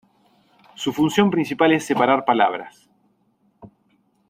Su función principal es separar palabras.